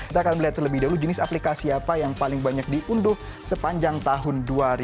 kita akan melihat terlebih dahulu jenis aplikasi apa yang paling banyak diunduh sepanjang tahun dua ribu dua puluh